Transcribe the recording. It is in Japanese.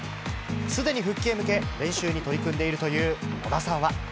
すでに復帰へ向け練習に取り組んでいるという織田さんは。